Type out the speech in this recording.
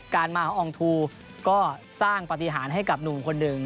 การมาของอองทูก็สร้างปฏิหารให้กับหนุ่มคนหนึ่ง